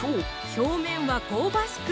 表面は香ばしく